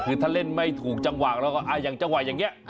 คือถ้าเล่นไม่ถูกจังหวะแล้วก็อย่างจังหวะอย่างนี้